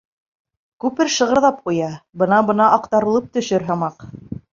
Күпер шығырҙап ҡуя, бына-бына аҡтарылып төшөр һымаҡ.